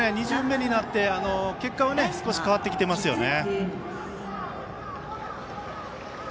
２巡目になって結果は少し変わってきてますよね。